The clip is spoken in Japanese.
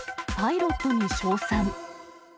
パイロットに称賛。